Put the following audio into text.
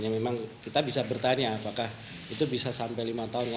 yang memang kita bisa bertanya apakah itu bisa sampai lima tahun ya